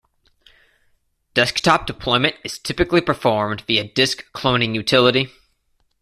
Desktop deployment is typically performed via disk cloning utility.